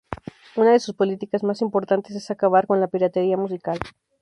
Una de sus políticas más importantes es acabar con la piratería musical.